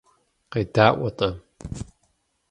КъедаӀуэ-тӀэ.